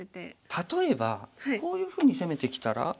例えばこういうふうに攻めてきたら？